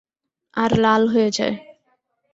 আর লাল হয়ে যায়।